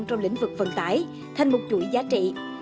trong lĩnh vực vận tải thành một chuỗi giá trị